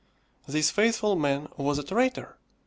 This faithful man was a traitor.